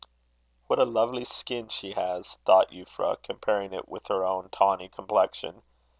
"What a lovely skin she has!" thought Euphra, comparing it with her own tawny complexion.